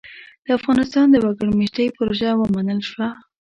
د افغانستان د وګړ مېشتۍ پروژه ومنل شوه.